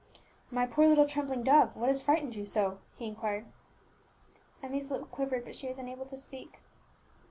"My poor little trembling dove, what has frightened you so?" he inquired. Emmie's lip quivered, but she was unable to speak.